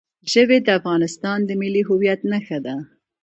ژبې د افغانستان د ملي هویت نښه ده.